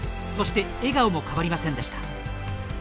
そして笑顔も変わりませんでした。